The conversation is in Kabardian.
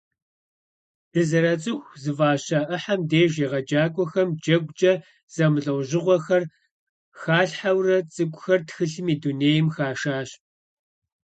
«Дызэроцӏыху» зыфӏаща ӏыхьэм деж егъэджакӏуэхэм джэгукӏэ зэмылӏэужьыгъуэхэр халъхьэурэ цӏыкӏухэр тхылъым и дунейм хашащ.